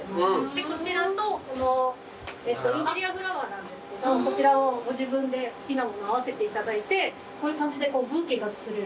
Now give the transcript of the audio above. でこちらとこのインテリアフラワーなんですけどこちらをご自分で好きなもの合わせていただいてこういう感じでブーケが作れる。